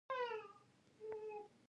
افغانان یووالي ته اړتیا لري.